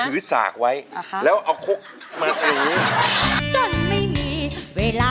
ถือสากไว้แล้วเอาคกมาหลุ้